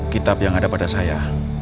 kitab yang ada pada saya